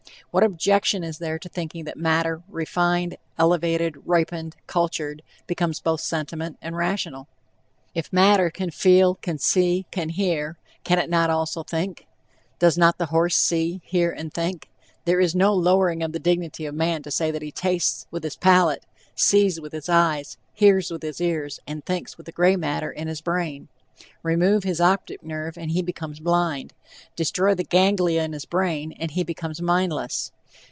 What objection is there to thinking that matter, refined, elevated, ripened, cultured, becomes both sentient and rational? If matter can feel, can see, can hear, can it not also think? Does not the horse see, hear and think? There is no lowering of the dignity of man to say that he tastes with his palate, sees with his eyes, hears with his ears, and thinks with the gray matter in his brain. Remove his optic nerve and he becomes blind, destroy the ganglia in his brain, and he becomes mindless.